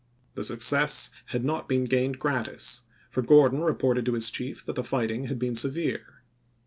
The success had not been gained gratis, for Gordon reported to his chief that the fighting had been severe.